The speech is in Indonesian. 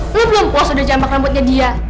lo belum puas udah jambak rambutnya dia